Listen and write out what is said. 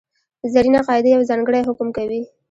زرینه قاعده یو ځانګړی حکم کوي.